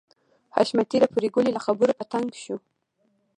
حشمتي د پريګلې له خبرو په تنګ شو